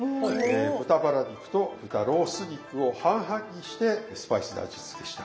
豚バラ肉と豚ロース肉を半々にしてスパイスで味付けした。